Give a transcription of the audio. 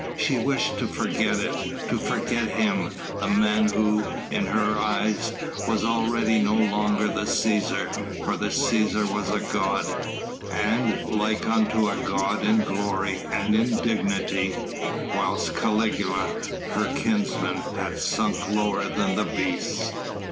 She wished to forget it to forget him the man who, in her eyes, was already no longer the Cæsar, for the Cæsar was a god, and like unto a god in glory and in dignity whilst Caligula, her kinsman, had sunk lower than the beasts.